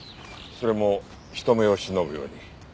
それも人目を忍ぶように。